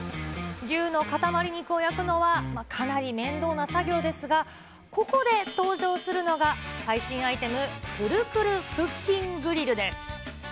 牛の塊肉を焼くのはかなり面倒な作業ですが、ここで登場するのが、最新アイテム、くるくるクッキングリルです。